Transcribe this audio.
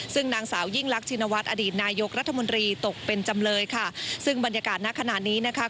ซึ่งนางสาวยิ่งรักชินวัฒน์อดีตนายกรัฐมนตรีตกเป็นจำเลยค่ะซึ่งบรรยากาศณขณะนี้นะคะ